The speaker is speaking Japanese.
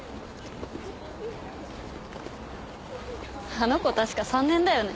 あの子確か３年だよね？